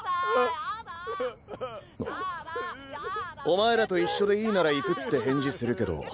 お前らと一緒でいいなら行くって返事するけど。